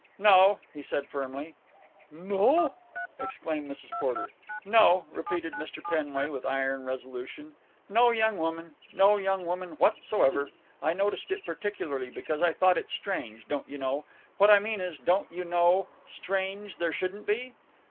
"No," he said firmly. "No!" exclaimed Mrs. Porter. "No," repeated Mr. Penway with iron resolution. "No young woman. No young woman whatsoever. I noticed it particularly, because I thought it strange, don't you know—what I mean is, don't you know, strange there shouldn't be!"